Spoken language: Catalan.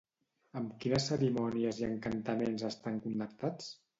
Amb quines cerimònies i encantaments estan connectats?